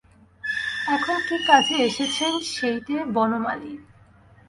এখন কী কাজে এসেছেন সেইটে– বনমালী।